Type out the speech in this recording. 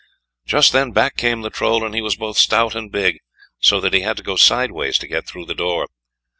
Just then back came the Troll, and he was both stout and big, so that he had to go sideways to get through the door.